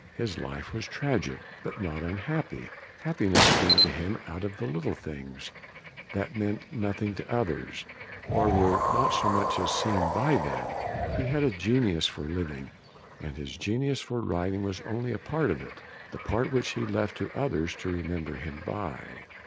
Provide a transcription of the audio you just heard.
His life was tragic, but not unhappy. Happiness came to him out of the little things that meant nothing to others, or were not so much as seen by them. He had a genius for living, and his genius for writing was only a part of it, the part which he left to others to remember him by.